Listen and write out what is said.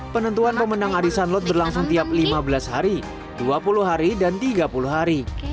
penentuan pemenang arisan lot berlangsung tiap lima belas hari dua puluh hari dan tiga puluh hari